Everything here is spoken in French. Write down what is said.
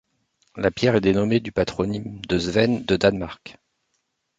La pierre est dénommée du patronyme de Sven de Danemark.